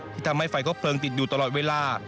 ที่ทำให้ไฟครบเพลิงติดอยู่ตลอดเวลา